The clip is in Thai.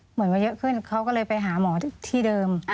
เหมือนว่าเยอะขึ้นเขาก็เลยไปหาหมอที่เดิม